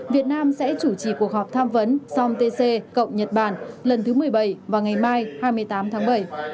việt nam sẽ chủ trì cuộc họp tham vấn somtc cộng nhật bản lần thứ một mươi bảy vào ngày mai hai mươi tám tháng bảy